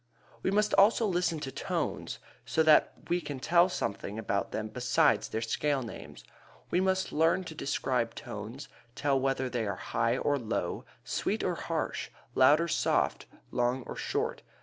We must also listen to tones so that we can tell something about them besides their scale names. We must learn to describe tones, tell whether they are high or low, sweet or harsh, loud or soft, long or short.